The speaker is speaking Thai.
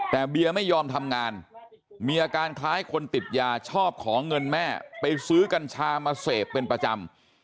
แต่เบียร์ไม่ยอมทำงานมีอาการคล้ายคนติดยาชอบของเงินแม่ไปซื้อกัญชามาเสพเป็นประจำ